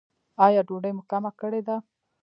ایا ډوډۍ مو کمه کړې ده؟